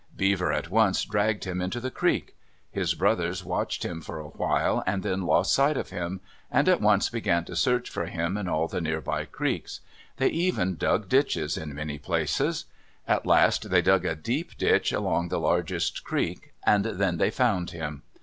Beaver at once dragged him into the creek. His brothers watched him for a while and then lost sight of him, and at once began to search for him in all the near by creeks. They even dug ditches in many places. At last they dug a deep ditch along the largest creek, and then they found him.